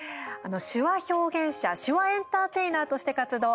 手話表現者手話エンターテイナーとして活動。